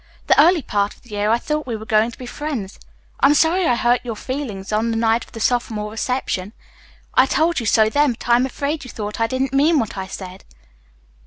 The early part of the year I thought we were going to be friends. I am sorry I hurt your feelings on the night of the sophomore reception. I told you so then, but I am afraid you thought I didn't mean what I said."